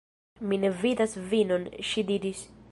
"Mi ne vidas vinon," ŝi diris.